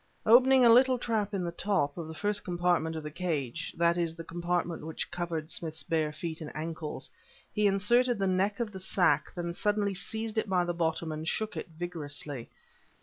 Opening a little trap in the top of the first compartment of the cage (that is, the compartment which covered Smith's bare feet and ankles) he inserted the neck of the sack, then suddenly seized it by the bottom and shook it vigorously.